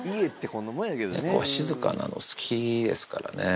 猫は静かなの、好きですからね。